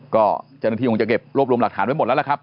ก็จนที่ผมจะเก็บรวบรวมหลักฐานไว้หมดแล้วครับ